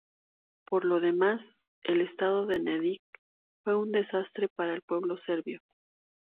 Por lo demás, el Estado de Nedić fue un desastre para el pueblo serbio.